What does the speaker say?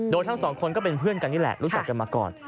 โดยทั้งสองคนก็เป็นเพื่อนกันนี่แหละรู้จักกันมาก่อน